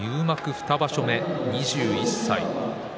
２場所目、２１歳。